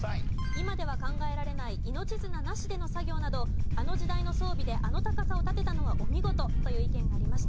今では考えられない命綱なしでの作業などあの時代の装備であの高さを建てたのはお見事という意見がありました。